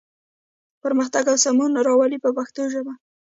پرمختګ او سمون راولي په پښتو ژبه.